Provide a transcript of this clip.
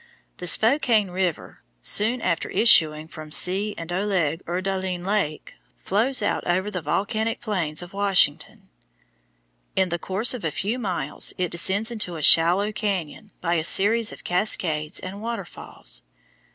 The Spokane River, soon after issuing from Coeur d'Alene Lake, flows out over the volcanic plains of Washington. In the course of a few miles it descends into a shallow cañon by a series of cascades and waterfalls.